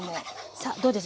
さあどうです。